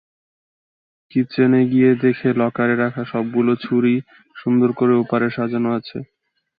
কিচেনে গিয়ে দেখে লকারে রাখা সবগুলো ছুরি সুন্দর করে ওপরে সাজানো আছে।